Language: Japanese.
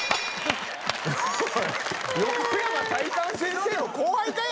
横山大観先生の後輩かい？